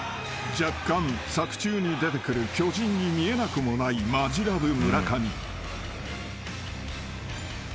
［若干作中に出てくる巨人に見えなくもないマヂラブ］